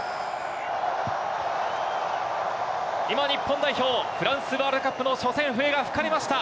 今、日本代表、フランスワールドカップの初戦、笛が吹かれました。